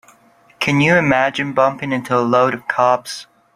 Can you imagine bumping into a load of cops?